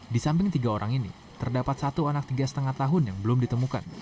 di samping tiga orang ini terdapat satu anak tiga lima tahun yang belum ditemukan